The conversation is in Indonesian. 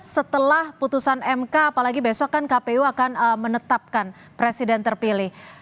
setelah putusan mk apalagi besok kan kpu akan menetapkan presiden terpilih